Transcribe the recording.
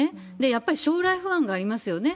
やっぱり将来不安がありますよね。